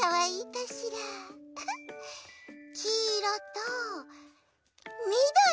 きいろとみどり。